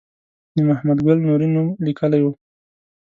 د محمد ګل نوري نوم لیکلی و.